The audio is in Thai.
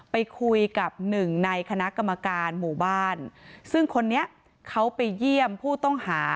ไปคุยกับหนึ่งในคณะกรรมการหมู่บ้านซึ่งคนนี้เขาไปเยี่ยมผู้ต้องหา